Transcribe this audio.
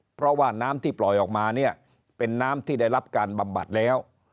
เพราะว่าน้ำที่ปล่อยออกมาเนี่ยเป็นน้ำที่ได้รับการบำบัดแล้ว